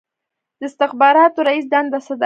د استخباراتو رییس دنده څه ده؟